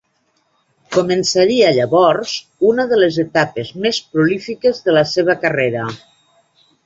Començaria llavors una de les etapes més prolífiques de la seva carrera.